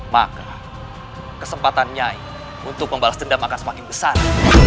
maka kesempatan nyai untuk membalas dendam akan semakin besar